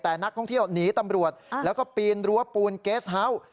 แต่นักท่องเที่ยวหนีตำรวจแล้วก็ปีนรั้วปูนเกสเฮาส์